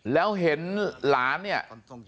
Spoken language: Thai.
แล้วเห็นหลานเนี่ย